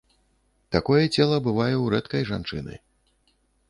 Такое цела бывае ў рэдкай жанчыны.